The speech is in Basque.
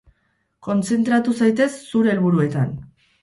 Kontzentratu zaitez zure helburuetan.